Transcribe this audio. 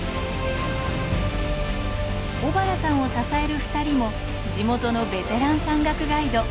小原さんを支える２人も地元のベテラン山岳ガイド。